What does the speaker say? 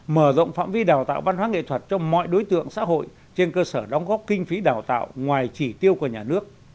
mở rộng phạm vi đào tạo văn hóa nghệ thuật cho mọi đối tượng xã hội trên cơ sở đóng góp kinh phí đào tạo ngoài chỉ tiêu của nhà nước